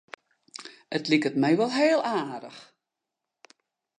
It liket my heel aardich.